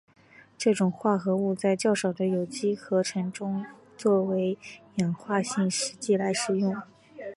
这种化合物在较少的有机合成中作为氧化性试剂来使用。